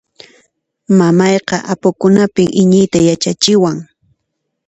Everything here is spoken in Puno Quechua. Mamayqa apukunapin iñiyta yachachiwan.